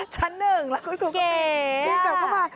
ชั้นหนึ่งแล้วคุณครูปีกลับเข้ามา